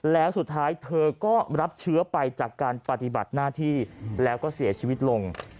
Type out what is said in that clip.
แล้วสุดท้ายเธอก็รับเชื้อไปจากการปฏิบัติหน้าที่แล้วก็เสียชีวิตลง